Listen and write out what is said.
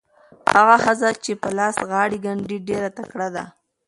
هغه ښځه چې په لاس غاړې ګنډي ډېره تکړه ده.